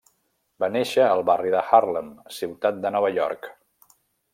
Va néixer al barri de Harlem, Ciutat de Nova York.